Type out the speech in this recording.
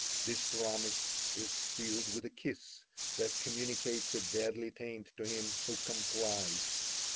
This promise is sealed with a kiss that communicates a deadly taint to him who complies.